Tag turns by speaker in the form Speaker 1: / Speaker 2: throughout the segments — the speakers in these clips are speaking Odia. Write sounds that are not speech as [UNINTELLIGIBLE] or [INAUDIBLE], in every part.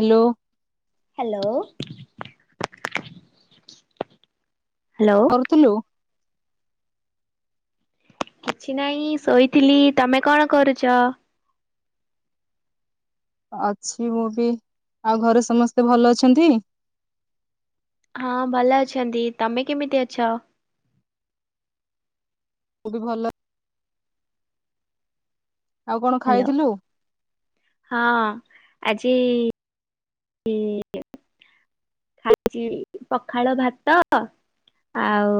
Speaker 1: ହ୍ୟାଲୋ।
Speaker 2: ହ୍ୟାଲୋ। ହ୍ୟାଲୋ।
Speaker 1: କହୁଥିଲୁ।
Speaker 2: କିଛି ନାଇଁ ଶୋଇଥିଲି ତମେ କଣ କରୁଛ?
Speaker 1: ଅଛି ମୁଁ ବି ଆଉ ଘରେ ସମସ୍ତେ ଭଲ ଅଛନ୍ତି?
Speaker 2: ହଁ ଭଲ ଅଛନ୍ତି ତମେ କେମିତି ଅଛ?
Speaker 1: ମୁଁ ବି ଭଲ ଆଉ କଣ
Speaker 2: ହ୍ୟାଲୋ
Speaker 1: ଖାଇଥିଲୁ?
Speaker 2: ହଁ ଆଜି ଇ ଆଜି ପଖାଳ ଭାତ ଆଉ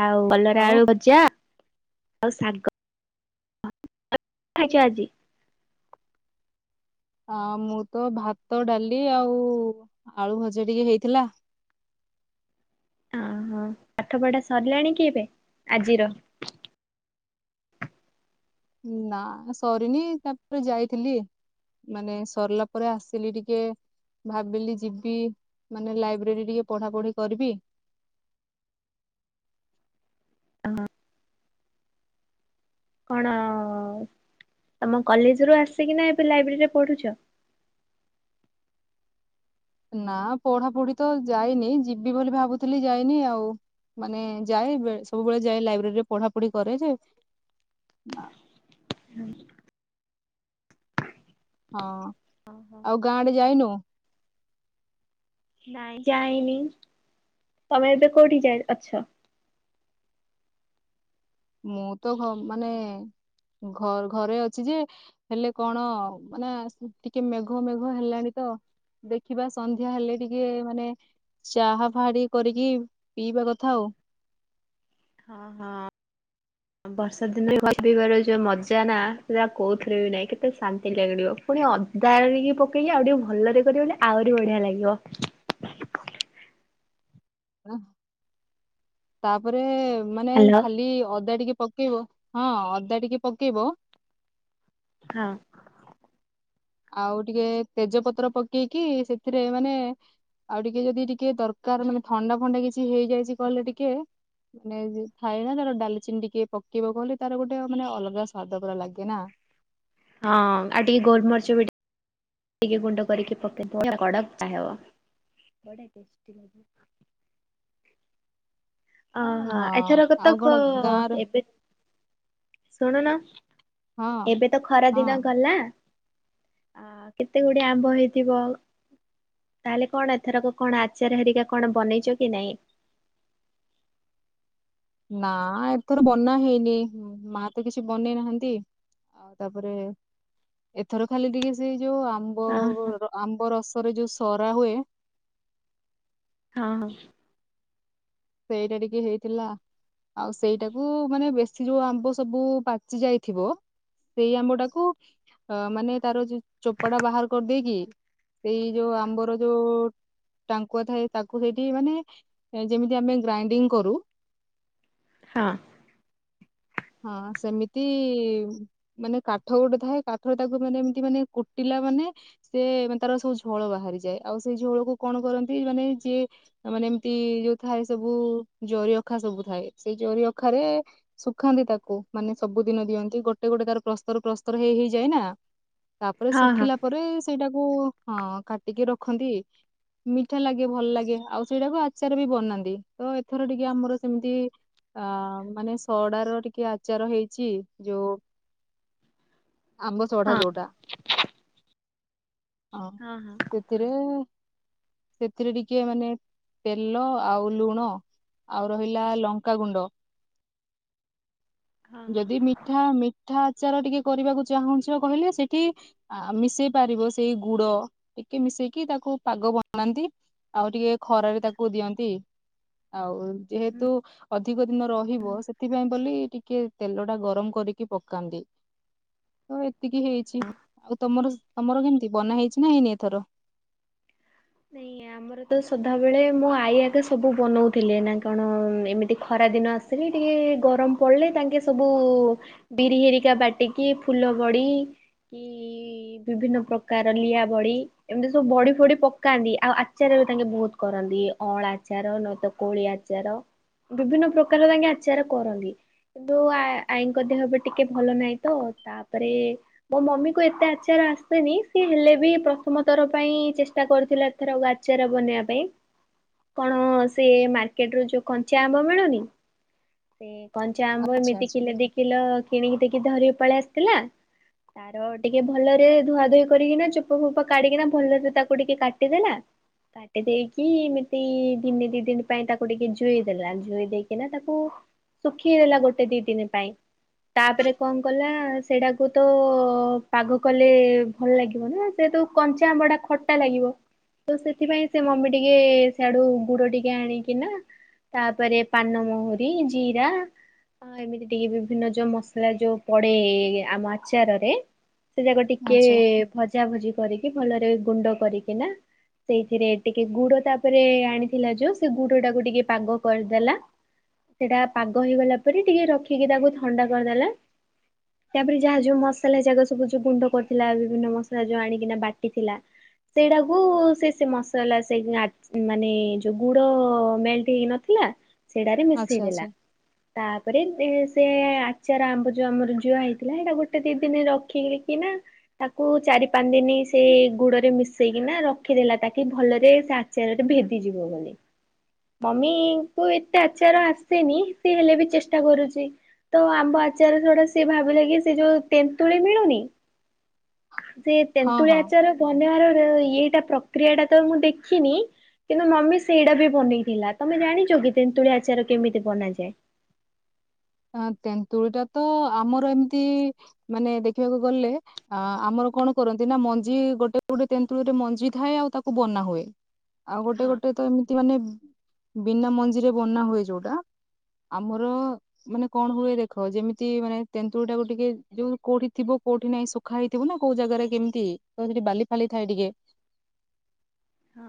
Speaker 2: ଆଉ କଲରା
Speaker 1: ଆଉ
Speaker 2: ଆଳୁ ଭଜା ଆଉ ଶାଗ ଖାଇଛି ଆଜି।
Speaker 1: ଆ ମୁଁ ତ ଭାତ ଡାଲି ଆଉ ଆଳୁ ଭଜା ଟିକେ ହେଇଥିଲା।
Speaker 2: ଓହୋ ପାଠ ପଢା ସରିଲାଣି କି ଏବେ? ଆଜିର।
Speaker 1: ନା ସରିନି ତାପରେ ଯାଇଥିଲି ମାନେ ସରିଲା ପରେ ଆସିଲି ଟିକେ ଭାବିଲି ଯିବି ମାନେ ଲାଇବ୍ରେରୀ ଟିକେ ପଢା ପଢି କରିବି
Speaker 2: କଣ-ତମ କଲେଜ ରୁ ଆସିକିନା ଏବେ ଲାଇବ୍ରେରୀ ରେ ପଢୁଛ?
Speaker 1: ନା ପଢା ପଢି ତ ଯାଇନି ଯିବି ବୋଲି ଭାବୁଥିଲି ଯାଇନି ଆଉ। ମାନେ ଯାଏ ସବୁବେଳେ ଯାଏ ଲାଇବ୍ରେରୀରେ ପଢାପଢି କରେ ଯେ
Speaker 2: ହୁଁ।
Speaker 1: ହଁ
Speaker 2: ଓହୋ
Speaker 1: ଆଉ ଗାଁଡେ ଯାଇନୁ?
Speaker 2: ନାଇଁ ଯାଇନି ତମେ ଏବେ କୋଉଠି ଯାଇ ଅଛ?
Speaker 1: ମୁଁ ତ ମାନେ ଘ ଘରେ ଅଛି ଯେ ହେଲେ କଣ ମାନେ ଟିକେ ମେଘ ମେଘ ହେଲାଣି ତ। ଦେଖିବା ସନ୍ଧ୍ୟା ହେଲେ ଟିକେ ମାନେ ଚାହା ଫା ଟିକେ କରିକି ପିଇବା କଥା ଆଉ।
Speaker 2: ହଁ ହଁ। ବର୍ଷା ଦିନରେ [INAUDIBLE] ପିଇବାର ଯୋଉ ମଜା ନା ସେଇଟା କୋଉଥିରେ ବି ନାହିଁ କେତେ ଶାନ୍ତି ଲାଗିବ। ପୁଣି ଅଦା ଆଣିକି ପକେଇକି ଆଉ ଟିକେ ଭଲରେ କରିବ ଲେ ଆହୁରି ବଢିଆ ଲାଗିବ।
Speaker 1: ହଁ ତାପରେ ମାନେ
Speaker 2: ହଁ
Speaker 1: ଖାଲି ଅଦା ଟିକେ ପ କେଇବ ହଁ ଅଦା ଟିକେ ପକେଇବ।
Speaker 2: ହଁ।
Speaker 1: ଆଉ ଟିକେ ତେଜପତ୍ର ପକେଇକି ସେଥିରେ ମାନେ ଆଉ ଟିକେ ଯଦି ଟିକେ ଦରକାର ମାନେ ଥଣ୍ଡା ଫଣ୍ଡା କିଛି ହେଇଯାଇଛି କହିଲେ ଟିକିଏ ମାନେ ଯି ଥାଏ ନା ତାର ଡାଲଚିନି ଟିକେ ପକେଇ ବାକୁ କହିଲେ ତାର ଗୋଟେ ମାନେ ଅଲଗା ସ୍ଵାଦ ପୁରା ଲାଗେ ନା।
Speaker 2: ହଁ ଆଉ ଟିକେ ଗୋଲମରିଚ ବି। ଟିକେ ଗୁଣ୍ଡ କରିକି ପକେଇବ [INAUDIBLE] କଡକ ଚା ହେବ ବଢିଆ ଟେଷ୍ଟି ଲାଗିବ। ଅହୋ
Speaker 1: ହଁ
Speaker 2: ଏଥରକ ତ
Speaker 1: ଆଉ କଣ
Speaker 2: କ
Speaker 1: ଗାଁର
Speaker 2: ଏବେ ଶୁଣୁନ
Speaker 1: ହଁ
Speaker 2: ଏବେ ତ ଖରା
Speaker 1: ହଁ
Speaker 2: ଦିନ ଗଲା। ଆ କେତେ ଗୁଡିଏ ଆମ୍ବ ହେଇଥିବ। ତାହେଲେ କଣ ଏଥରକ କଣ ଆଚାର ହେରିକା କଣ ବନେଇଚ କି ନାଇଁ?
Speaker 1: ନା ଏଥର ବନା ହେଇନି ହୁଁ ମାଆ ତ କିଛି ବନେଇ ନାହାନ୍ତି। ଆଉ ତାପରେ ଏଥର ଖାଲି ଟିକେ ସେଇ ଯୋଉ ଆମ
Speaker 2: ଅହୋ।
Speaker 1: ଆମ୍ବ ରସରେ ଯୋଉ ସରା ହୁଏ।
Speaker 2: ହଁ ହଁ।
Speaker 1: ସେଇଟା ଟିକେ ହେଇଥିଲା। ଆଉ ସେଇଟାକୁ ମାନେ ବେଶୀ ଯୋଉ ଆମ୍ବ ସବୁ ପାଚି ଯାଇଥିବ। ସେଇ ଆମ୍ବ ଟାକୁ ଅ ମାନେ ତାର ଯୋଉ ଚୋପାଟା ବାହାର କରଦେଇକି ସେଇ ଯୋଉ ଆମ୍ବର ଯୋଉ ଟାଙ୍କୁଆ ଥାଏ ତାକୁ ସେଇଠି ମାନେ ଏ ଯେମି ତି ଆମେ ଗ୍ରାଇଡିଂ କରୁ।
Speaker 2: ହଁ।
Speaker 1: ହଁ ସେମିତି ମାନେ କାଠ ଗୋଟେ ଥାଏ କାଠରେ ତାକୁ ମାନେ ଏମିତି ମାନେ କୁଟିଲା ମାନେ ସିଏ ମାନେ ତାର ସବୁ ଝୋଳ ବାହାରିଯାଏ ଆଉ ସେଇ ଝୋଳକୁ କଣ କରନ୍ତି ମାନେ ଯିଏ ମାନେ ଏମିତି ଯୋଉ ଥାଏ ସବୁ ଜରି ଅଖା ସବୁ ଥାଏ ସେଇ ଜରି ଅଖାରେ ଖାନ୍ତି ତାକୁ ମାନେ ସବୁ ଦିନ ଦିଅନ୍ତି ଗୋଟେ ଗୋଟେ ତାର ପ୍ରସ୍ତର ପ୍ରସ୍ତର ହେଇ ହେଇଯାଏ ନା। ତାପରେ
Speaker 2: ହଁ ହଁ ହଁ
Speaker 1: ଶୁଖିଲା ପରେ ସେଇଟାକୁ ହଁ କାଟିକି ରଖନ୍ତି। ମିଠା ଲାଗେ ଭଲ ଲାଗେ ଆଉ ସେଇଟାକୁ ଆଚାର ବି ବନାନ୍ତି ତ ଏଥର ଟିକେ ଆମର ସେମିତି ଅ ମାନେ ସଡାର ଟିକେ ଆଚାର ହେଇଚି ଯୋଉ ଆମ୍ବ ସଢା
Speaker 2: ହଁ
Speaker 1: ଯୋଉଟା।
Speaker 2: ହଁ ହଁ।
Speaker 1: ସେଥିରେ ସେଥିରେ ଟିକେ ମାନେ ତେଲ ଆଉ ଲୁଣ ଆଉ ରହିଲା ଲଙ୍କାଗୁଣ୍ଡ
Speaker 2: ହଁ ହଁ।
Speaker 1: ଯଦି ମିଠା ମିଠା ଆଚାର ଟିକେ କରିବାକୁ ଚାହୁଁଚ କହିଲେ ସେଠି ଆ ମିଶେଇ ପାରିବ ସେଇ ଗୁଡ ଟିକେ ମିଶେଇକି ତାକୁ ପାଗ ବନାନ୍ତି। ଆଉ ଟିକେ ଖରାରେ ତାକୁ ଦିଅନ୍ତି। ଆଉ ଯେହେତୁ ଅଧିକ ଦିନ ରହିବ ସେଥିପାଇଁ ବୋଲି ଟିକେ ତେଲ ଟା ଗରମ କରିକି ପକାନ୍ତି। ତ ଏତିକି ହେଇଛି ଆଉ ତମର ତମର କେମିତି ବନା ହେଇଛି ନା ହେଇନି ଏଥର?
Speaker 2: ସେଇ ଆମ ମର ତ ସଦାବେଳେ ମୋ ଆଈ ଆଗେ ସବୁ ବନଉଥିଲେ ନା କଣ ଏମିତି ଖରା ଦିନ ଆସ ସିକି ଟିକେ ଗରମ ପଡିଲେ ଟାଙ୍କେ ସବୁ ବିରି ହେରିକା ବାଟିକି ଫୁଲ ବଡି କି କି ବିଭିନ୍ନ ପ୍ରକାର ଲିଆ ବଡି ଏମିତି ସବୁ ବଡି ଫଡି ପ କାନ୍ତି ଆଉ ଆଚାର ବି ଟାଙ୍କେ ବହୁତ କରନ୍ତି ଅଁଳା ଆଚାର ନହେ ତ କୋଳି ଆଚାର। ବିଭିନ୍ନ ପ୍ରକାର ତାଙ୍କେ ଆଚାର କରନ୍ତି। [UNINTELLIGIBLE] ଆଈଙ୍କ ଦେହ ବି ଟିକେ ଭଲ ନାହିଁ ତ ତାପରେ ମୋ ମମି କୁ ଏତେ ଆଚାର ଆସେନି ସିଏ ହେଲେ ବି ପ୍ରଥମଥର ପାଇଁ ଚେଷ୍ଟା କରି ଥିଲା ଏଥର ଆଚାର ବନେଇବା ପାଇଁ। କଣ ସେ ମାର୍କେଟ ରୁ ଯୋଉ କଞ୍ଚା ଆମ୍ବ ମିଳୁନି ସେ କଞ୍ଚା ଆମ୍ବ
Speaker 1: ଆଚ୍ଛା
Speaker 2: ଏମିତି
Speaker 1: ଆଚ୍ଛା।
Speaker 2: କିଲୋ ଦି କିଲୋ କିଣିକି ଦେଇକି ଧରିବା ପଳେଇ ଆସିଥିଲା ତାର ଟିକେ ଭଲରେ ଧୁଆ ଧୁଇ କରିକିନା ଚୋପା ଫୋପ କାଢିକିନା ଭଲରେ ତାକୁ ଟିକେ କା ଟି ଦେଲା। କାଟି ଦେଇକି ଏମିତି ଦିନେ ଦି ଦିନ ପାଇଁ ତାକୁ ଟିକେ ଜୋଇ ଦେଲା। ଜୁଇ ଦେଇକିନା ତାକୁ ଶୁଖି ହେଲା ଗୋଟେ ଦି ଦିନ ପାଇଁ। ତାପରେ କଣ କଲା ସେଟାକୁ ତ ପାଗ କଲେ ଭଲ ଲାଗିବନି ନା। ଯେହେତୁ କଞ୍ଚା ଆମ୍ବ ଟା ଖଟା ଲାଗିବ। ତ ସେଥିପାଇଁ ସେ ମମି ଟିକେ ସିଆଡୁ ଗୁଡ ଟିକେ ଆଣିକିନା ତାପରେ ପାନମହୁରି ଜିରା ହଁ ଏମିତି ଟିକେ ବିଭିନ୍ନ ଯୋଉ ମସଲା ଯୋଉ ପଡେ ଆମ ଆଚାରରେ ସେ ଯାକ ଟିକେ
Speaker 1: ଆଚ୍ଛା
Speaker 2: ଭଜା ଭଜି କରିକି ଭଲରେ ଗୁଣ୍ଡ କରିକିନା ସେଇଥିରେ ଟିକେ ଗୁଡ ତାପରେ ଆଣିଥିଲା ଯୋଉ ସେ ଗୁଡ ଟାକୁ ଟିକେ ପାଗ କରିଦେଲା। ସେଟା ପାଗ ହେଇଗଲା ପରେ ଟିକେ ରଖିକି ତାକୁ ଥଣ୍ଡା କରିଦେଲା। ତାପରେ ଯାହା ଯୋଉ ମସଲା ଯାକ ସବୁ ଯୋଉ ଗୁଣ୍ଡ କରିଥିଲା ବିଭିନ୍ନ ମସଲା ଯୋଉ ଆଣିକିନା ବାଟିଥିଲା ସେଇଟା କୁ ସେ ମସଲା ସେ ମାନେ ଯୋଉ ଗୁଡ ମେଲ୍ଟ ହେଇ ନଥିଲା ସେଇଡ଼ାରେ
Speaker 1: ଆଚ୍ଛା
Speaker 2: ମିସେଇଦେଲା।
Speaker 1: ଆଚ୍ଛା
Speaker 2: ତାପରେ ସେ ଆଚାର ଆମ୍ବ ଯୋଉ ଆମର ଜୁଆ ହେଇଥିଲା ସେଇଟା ଗୋଟେ ଦି ଦିନ ରଖି କିିନା ତାକୁ ଚାରି ପାଞ୍ଚ ଦିନ ସେ ଗୁଡ ରେ ମିଶେଇ ନା ରଖିଦେଲା। ତାକି ଭଲରେ ସେ ଆଚାରରେ ଭେଦିଯିବ ବୋଲି। ମମି କୁ ଏତେ ଆଚାର ଆସେନି ସେ ହେଲେ ବି ଚେଷ୍ଟା କରୁଚି। ତ ଆମ୍ୱ ଆଚାର ସେଟା ସିଏ ଭାବିଲେ କି ସେ ଯୋଉ ତେନ୍ତୁଳି ମିଳୁନି ସେ
Speaker 1: ହଁ
Speaker 2: ତେନ୍ତୁଳି ଆଚାର ବନେଇବାର ଇଏଟା ପ୍ରକ୍ରିୟା ଟା ତ ମୁଁ ଦେଖିନି କିନ୍ତୁ ମମି ସେଇଟା ବି ବନେଇଥିଲା। ତମେ ଜାଣିଛ କି ତେନ୍ତୁଳି ଆଚାର କେମିତି ବନାଯାଏ?
Speaker 1: ତେନ୍ତୁଳି ଟା ତ ଆମର ଏମିତି ମାନେ ଦେଖିବାକୁ ଗଲେ ଆ ଆମର କଣ କରନ୍ତି ନା ମଞ୍ଜି ଗୋଟେ ଗୋଟେ ତେନ୍ତୁଳି ରେ ମଞ୍ଜି ଥାଏ ଆଉ ତାକୁ ବନା ହୁଏ। ଆଉ ଗୋଟେ
Speaker 2: ହଁ
Speaker 1: ଗୋଟେ ତ ଏମିତି ମାନେ ବିନା ମଞ୍ଜିରେ ବନା ହୁଏ ଯୋଉଟା ଆମର ମାନେ କଣ ହୁଏ ଦେଖ ଯେମିତି ମାନେ ତେନ୍ତୁଳି ଟାକୁୁ ଟିକେ ଯୋଉ କୋଉଠି ଥିବ କୋଉଠି ନାଇଁ ସ ସୁଖା ହେଇଥିବୁ ନା କୋଉ ଜାଗାରେ କେମିତି ତ ସେଠି ବାଲି ଫାଲି ଥାଏ ଟିକେ।
Speaker 2: ହଁ।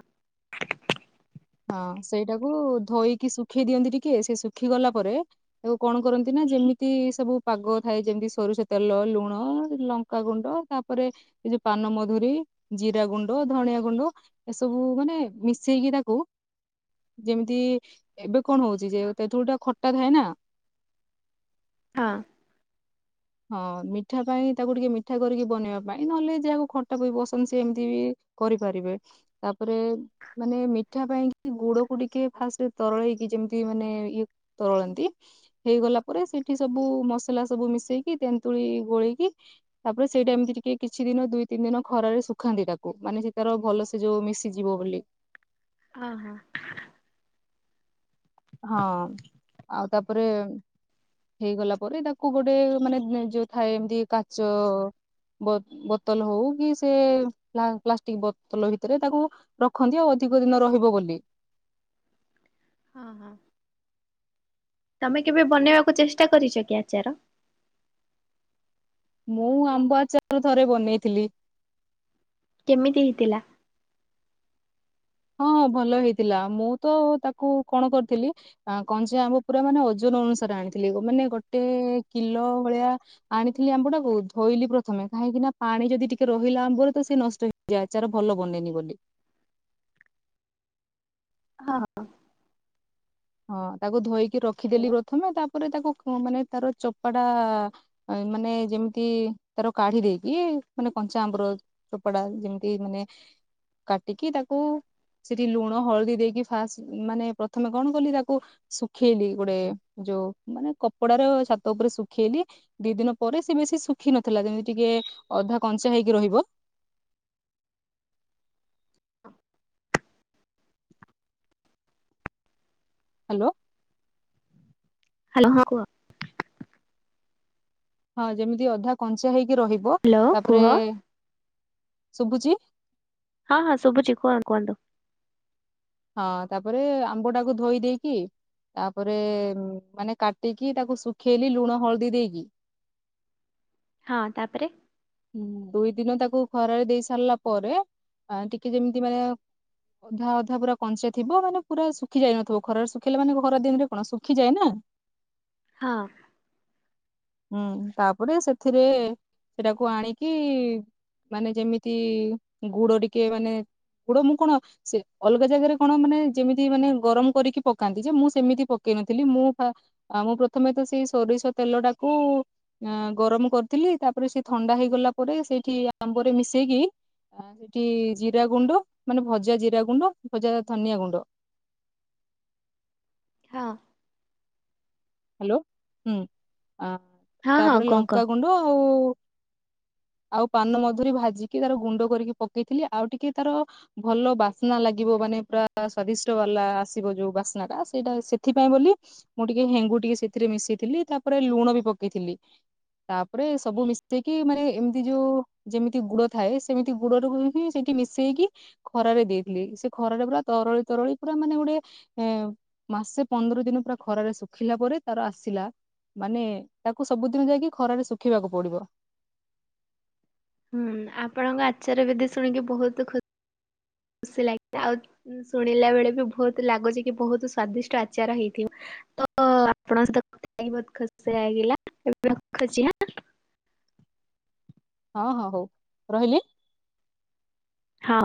Speaker 1: ହଁ ସେଇଟାକୁ ଧୋଇକି ଶୁଖେଇ ଦିଅନ୍ତି ଟିକେ। ସେ ଶୁଖି ଗଲା ପରେ ଆଉ କଣ କରନ୍ତି ନା ଯେମିତି ସବୁ ପାଗ ଥାଏ ଯେମିତି ସୋରିଷ ତେଲ, ଲୁଣ, ଲ କା ଗୁଣ୍ଡ ତାପରେ ଏ ଯୋଉ ପାନମଧୁରୀ, ଜିରା ଗୁଣ୍ଡ, ଧଣିଆ ଗୁଣ୍ଡ ଏସବୁ ମାନେ ମିଶେଇକି ତାକୁ ଯେମିତି ଏବେ କଣ ହଉଚି ଯେ ତେନ୍ତୁଳି ଟା ଖଟା ଥାଏ ନା
Speaker 2: ହଁ।
Speaker 1: ହଁ ମିଠା ପାଇଁ ତାକୁ ଟିକେ ମିଠା କରିକି ବନେଇବା ପାଇଁ ନହେଲେ ଯାହାକୁ ଖଟା ପି ପସନ୍ଦ ସେ ଏମିତି ବି କରିପାରିବେ। ତାପରେ ମାନେ ମି ମିଠା ପାଇଁ କି ଗୁଡ଼ କୁ ଟିକେ ଫାଷ୍ଟ ତରଳେଇକି ଯେମିତି ମାନେ ଇଏ ତରଳାନ୍ତି। ହେଇଗଲା ପରେ ସେଠି ସବୁ ମସଲା ସବୁ ମିଶେଇକି ତେନ୍ତୁଳି ଗୋଳେଇକି ତାପରେ ସେଇଟା ଏମିତି ଟିକେ କିଛି ଦିନ ଦୁଇ ତିନି ଦିନ ଖରାରେ ଶୁଖାନ୍ତି ତାକୁ। ମାନେ ସେ ତାର ଭଲସେ ସେ ଯୋଉ ମିଶିଯିବ ବୋଲି।
Speaker 2: ହଁ ହଁ।
Speaker 1: ହଁ। ଆଉ ତାପରେ ହେଇଗଲା ପରେ ତାକୁ ଗୋଟେ ମାନେ ଯୋଉ ଥାଏ ଏମିତି କାଚ ବୋତଲ ହଉ କି ସେ ପ୍ଲାଷ୍ଟିକ ବୋତଲ ଭିତରେ ତାକୁ ରଖନ୍ତି ଆଉ ଅଧିକ ଦିନ ରହିବ ବୋଲି।
Speaker 2: ହଁ। ହଁ। ତମେ କେବେ ବନେଇବାକୁ ଚେଷ୍ଟା କରିଛ କି ଆଚାର?
Speaker 1: ମୁଁ ଆମ୍ବ ଆଚାର ଥରେ ବନେଇଥିଲି।
Speaker 2: କେମିତି ହେଇଥିଲା?
Speaker 1: ହଁ ହଁ ଭଲ ହେଇଥିଲା ମୁଁ ତ ତାକୁ କଣ କରିଥିଲି ଆ କଣ ଯେ ଆମ୍ୱ ପୁରା ମାନେ ଓଜନ ଅନୁସାରେ ଆଣିଥିଲି ମାନେ ଗୋଟେ କିଲୋ ଭଳିଆ। ଆଣିଥିଲି ଆମ୍ବ ଟାକୁ ଧୋଇଲି ପ୍ରଥମେ କାହିଁକି ନା ପାଣି ଯଦି ଟିକେ ରହିଲା ଆମ୍ବରେ ତ ସେଏ ନଷ୍ଟ ହେଇ ଯାଏ ଆଚାର ଭଲ ବନେନି ବୋଲି।
Speaker 2: ହଁଁ।
Speaker 1: ହଁ ତାକୁ ଧୋଇକି ରଖିଦେଲି
Speaker 2: ହ୍ୟାଲୋ।
Speaker 1: ପ୍ରଥମେ ତାପରେ ତାକୁ ମାନେ ତାର ଚୋପାଟା ମାନେ ଯେମିତି ତାର କଢି ଦେଇକି ମାନେ କଞ୍ଚା ଆମ୍ବର ଚୋପାଡା ଯେମିତି ମାନେ କାଟିକି ତାକୁ ସେଠି ଲୁଣ ହଳଦୀ ଦେଇକି ଫାଷ୍ଟ ମାନେ ପ୍ରଥମେ କଣ କାଲି ତାକୁ ଶୁଖେଇଲି ଗୋଟେ ଯୋଉ ମାନେ କପଡାରେ ଛାତ ଉପରେ ଶୁଖେଇଲି। ଦି ଦିନ ପରେ ସେ ବେଶି ଶୁଖିିନଥିଲା ଯେମିତି ଟିକେ ଅଧା କଞ୍ଚା ହେଇକି ରହିବ। ହ୍ୟାଲୋ।
Speaker 2: ହ୍ୟାଲ ହଁ କୁହ।
Speaker 1: ହଁ ଯେମିତି ଅଧା କଞ୍ଚା ହେଇକି ରହିବ
Speaker 2: ହ୍ୟାଲୋ କୁହ।
Speaker 1: ତାପରେ ଶୁଭୁଛି।
Speaker 2: ହଁ ହଁ ଶୁଭୁଛି କୁହନ କୁହନ୍ତୁ।
Speaker 1: ହଁ ତାପରେ ଆମ୍ବ ଟାକୁ ଧୋଇ ଦେଇକି ତାପରେ ମାନେ କାଟିକି ତାକୁ ଶୁଖେଇଲି ଲୁଣ ହଳଦୀ ଦେଇକି।
Speaker 2: ହଁ ତାପରେ
Speaker 1: ହ ଦୁଇ ଦିନ ତାକୁ ଖରାରେ ଦେଇ ସାରିଲା ପରେ ଟିକେ ଯେମିତି ମାନେ ଅଧା ଅଧା ପୁରା କଞ୍ଚା ଥିବ ମାନେ ପୁରା ଶୁଖି ଯାଇ ନଥିବ ଖରାରେ ଶୁଖେଇଲେ ମାନେ ଖରା ଦିନରେ କଣ ଶୁଖିଯାଏ ନା। [INAUDIBLE]
Speaker 2: ହଁ।
Speaker 1: ହୁଁ ତାପରେ ସେଥିରେ କୁ ଆଣିକି ମାନେ ଯେମିତି ଗୁଡ଼ ଟିକେ ମାନେ ଗୁଡ ମୁଁ କଣ? ସେ ଅଲଗା ଜାଗାରେ କଣ ମାନେ ଯେମିତି ମାନେ ଗରମ କରିକି ପକାନ୍ତି ଯେ ମୁଁ ସେମିତି ପକେଇ ନଥିଲି ମୁଁ ଆ ମୁଁ ପ୍ରଥମେ ତ ସେଇ ସୋରିଷ ତେଲ ଟାକୁ ଗରମ କରିଥିଲି ତାପରେ ସେ ଥଣ୍ଡା ହେଇଗଲା ପରେ ସେଇଠି ଆମ୍ବରେ ମିଶେଇକି ଆ ସେଠି ଜିରା ଗୁଣ୍ଡ ମାନେ ଭଜା ଜିରା ଗୁଣ୍ଡ ଭଜା ଧନିଆ ଗୁଣ୍ଡ
Speaker 2: ହଁ।
Speaker 1: ହ୍ୟାଲୋ ହୁଁ
Speaker 2: ହଁ ହଁ
Speaker 1: ତାପରେ
Speaker 2: କୁହ କୁହ।
Speaker 1: ଲଙ୍କାାଗୁଣ୍ଡ ଆଉ ଆଉ ପାନ ମଧୁରି ଭାଜିକି ତାର ଗୁଣ୍ଡ କରିକି ପକେଇଥିଲି ଆଉ ଟିକେ ତାର ଭଲ ବାସ୍ନା ଲାଗିବ ମାନେ ପୁରା ସ୍ଵାଦିଷ୍ଟ ବାଲା ଆସିବ ଯୋଉ ବାସ୍ନା ଟା ସେଇଟା ସେଥିପାଇଁ ବୋଲି ମୁଁ ଟିକେ ହେଙ୍ଗୁ ଟିକେ ସେଥିରେ ମିଶେଇଥିଲି ତାପରେ ଲୁଣ ବି ପକେଇଥିଲି। ତାପରେ ସବୁ ମିଶେଇକି ମାନେ ଏମିତି ଯୋଉ ଯେମିତି ଗୁଡ଼ ଥାଏ ସେମିତି ଗୁଡ଼ ରୁ ହେଇକି ସେଇଠି ମି ସେଇକି ଖରାରେ ଦେଇଥିଲି ସେ ଖରାରେ ପୁରା ତରଳି ତରଳି ପୁରା ମାନେ ଗୋଟେ ଏ ମାସେ ପନ୍ଦର ଦିନ ପୁରା ଖରାରେ ଶୁଖିଲା ପରେ। ତାର ଆସିଲା ମାନେ ତାକୁ ସବୁଦିନ ଯାଇକି ଖରାରେ ଶୁଖିବାକୁ ପଡିବ।
Speaker 2: ହୁଁ ଆପଣଙ୍କ ଆଚାର ବିଧି ଶୁଣିକି ବହୁତୁ ଖୁସି ଲାଗଛି ଆଉ ଶୁଣିଲା ବେଳେ ବି ବହୁତ ଲାଗୁଛି କି ବହୁତ ସ୍ଵାଦିଷ୍ଟ ଆଚାର ହେଇଥିବ। ତ ଆପଣଙ୍କ ସହିତ କଥା ହେଇକି ବହୁତ ଖୁସି ଲାଗିଲା ଏବେ ରଖୁଛି ଆଁ
Speaker 1: ହଁ ହଁ ହଉ ରହିଲି ଆଁ।
Speaker 2: ହଁ।